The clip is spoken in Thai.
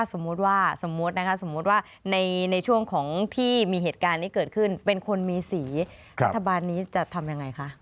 สมมุติว่าสมมุตินะคะสมมุติว่าในช่วงของที่มีเหตุการณ์นี้เกิดขึ้นเป็นคนมีสีรัฐบาลนี้จะทำยังไงคะ